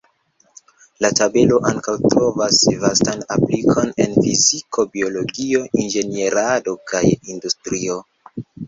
La tabelo ankaŭ trovas vastan aplikon en fiziko, biologio, inĝenierado kaj industrio.